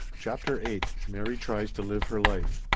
CHAPTER IX. MARY TRIES TO LIVE HER LIFE.